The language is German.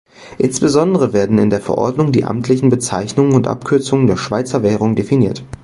Insbesondere werden in der Verordnung die amtlichen Bezeichnungen und Abkürzungen der Schweizer Währung definiert.